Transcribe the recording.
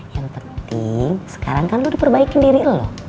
yang penting sekarang kan lo diperbaikin diri lo